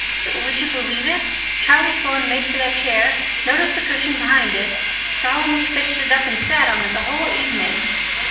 But would you believe it? Charlie Sloane made for that chair, noticed the cushion behind it, solemnly fished it up, and sat on it the whole evening.